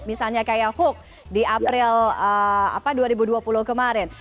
misalnya kayak hook di april dua ribu dua puluh kemarin